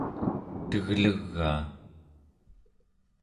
teglegaa